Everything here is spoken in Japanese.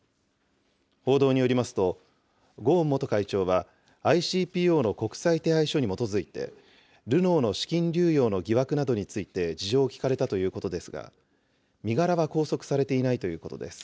報道によりますと、ゴーン元会長はＩＣＰＯの国際手配書に基づいて、ルノーの資金流用の疑惑などについて事情を聴かれたということですが、身柄は拘束されていないということです。